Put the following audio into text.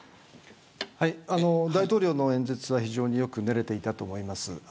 大統領の演説は非常によく練られていたと思います。